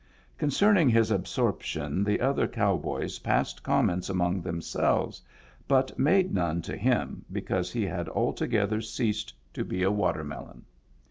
Con cerning his absorption the other cow boys passed comments among themselves, but made none to him, because he had altogether ceased to be a watermelon.